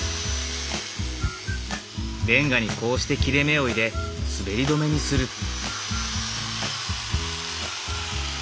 レンガにこうして切れ目を入れ滑り止めにする。